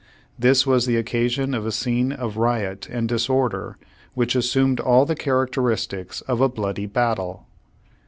This was the occasion of a scene of riot and disorder Vv^hich assumed all the characteristics of a bloody battle.